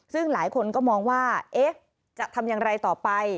ซึ่งหลายคนก็มองว่าจะทำอย่างไรต่อไป